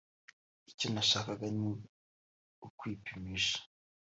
icyo nashakaga ni ukwipimisha